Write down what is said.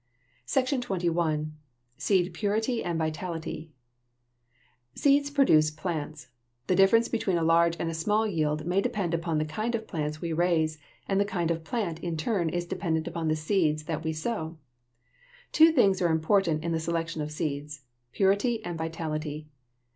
SECTION XXI. SEED PURITY AND VITALITY Seeds produce plants. The difference between a large and a small yield may depend upon the kind of plants we raise, and the kind of plant in turn is dependent upon the seeds that we sow. Two things are important in the selection of seeds purity and vitality.